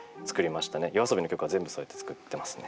ＹＯＡＳＯＢＩの曲は全部そうやって作ってますね。